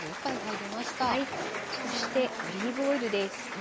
そしてオリーブオイルです。